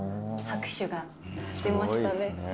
拍手が出ましたね。